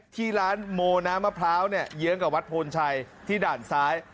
ที่ร้านโมน้ำมะพร้าวเนี่ยเยื้องกับวัดโพนชัยที่ด่านซ้าย